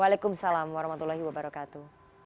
waalaikumsalam warahmatullahi wabarakatuh